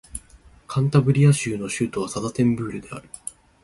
カンタブリア州の州都はサンタンデールである